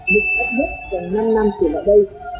được áp dụng cho năm năm trở lại đây